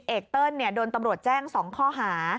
เอกเติ้ลโดนตำรวจแจ้ง๒ข้อหา